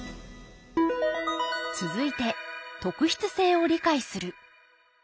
続いて「特筆性を理解する」。